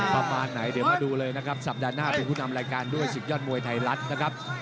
ประมาณไหนเดี๋ยวมาดูเลยนะครับสัปดาห์หน้าเป็นผู้นำรายการด้วยศึกยอดมวยไทยรัฐนะครับ